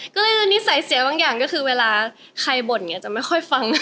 ใช่นิสัยเสียบางอย่างก็คือเวลาใครบ่นจะไม่ค่อยฟัง